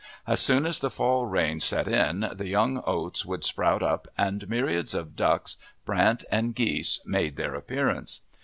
As soon as the fall rains set in, the young oats would sprout up, and myriads of ducks, brant, and geese, made their appearance.